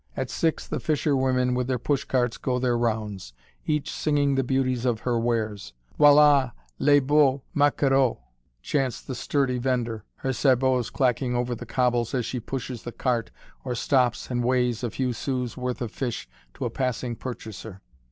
At six the fishwomen with their push carts go their rounds, each singing the beauties of her wares. "Voilà les beaux maquereaux!" chants the sturdy vendor, her sabots clacking over the cobbles as she pushes the cart or stops and weighs a few sous' worth of fish to a passing purchaser.